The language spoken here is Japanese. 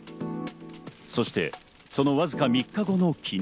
そしてそのわずか３日後の昨日。